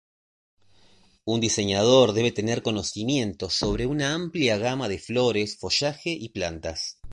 Un diseñador debe tener conocimientos sobre una amplia gama de flores, follaje, y plantas.